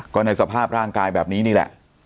ก็ในสภาพร่างกายแบบนี้นี่แหละ